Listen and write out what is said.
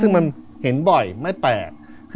ซึ่งมันเห็นบ่อยไม่แปลก